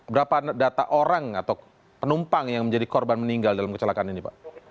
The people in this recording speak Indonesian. berapa data orang atau penumpang yang menjadi korban meninggal dalam kecelakaan ini pak